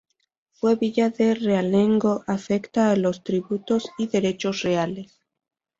Fue Villa de Realengo, afecta a los tributos y derechos reales.